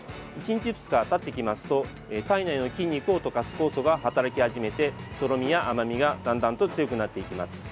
１日、２日たってきますと体内の筋肉を溶かす酵素が働き始めてとろみや甘みがだんだんと強くなっていきます。